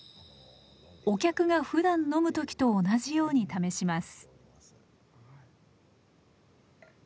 お客がふだん飲む時と同じように試します。